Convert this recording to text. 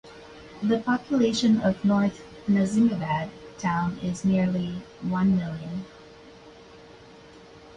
The population of North Nazimabad town is nearly one million.